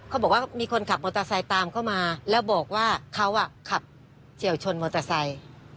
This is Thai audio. เขาบอกว่ามีคนขับมอเตอร์ไซค์ตามเข้ามาแล้วบอกว่าเขาขับเฉียวชนมอเตอร์ไซค์